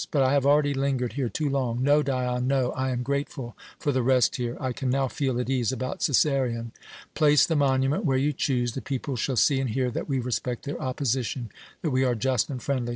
But I have already lingered here too long. No, Dion, no. I am grateful for the rest here I can now feel at ease about Cæsarion. Place the monument where you choose. The people shall see and hear that we respect their opposition, that we are just and friendly.